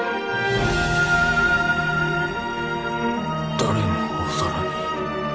誰のお皿に